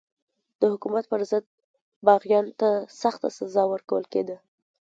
د حکومت پر ضد باغیانو ته سخته سزا ورکول کېده.